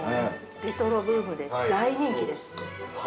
◆レトロブームで大人気です。